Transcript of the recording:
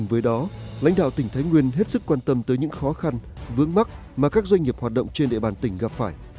với đó lãnh đạo tỉnh thái nguyên hết sức quan tâm tới những khó khăn vướng mắt mà các doanh nghiệp hoạt động trên địa bàn tỉnh gặp phải